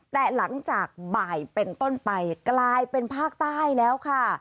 แต่หลังจากบ่ายเป็นต้นไปกลายเป็นภาคใต้แล้วค่ะ